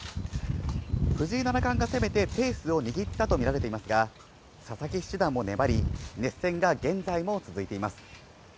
藤井七冠が攻めてペースを握ったと見られていますが、佐々木七段も粘り、熱戦が現在も続いています。